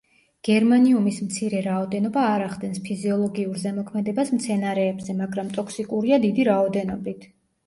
გერმანიუმის მცირე რაოდენობა არ ახდენს ფიზიოლოგიურ ზემოქმედებას მცენარეებზე, მაგრამ ტოქსიკურია დიდი რაოდენობით.